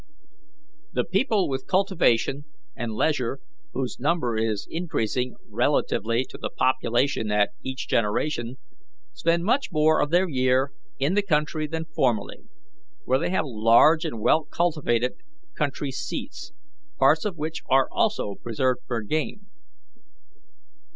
"The people with cultivation and leisure, whose number is increasing relatively to the population at each generation, spend much more of their year in the country than formerly, where they have large and well cultivated country seats, parts of which are also preserved for game.